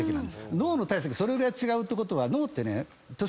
脳の体積それぐらい違うってことは。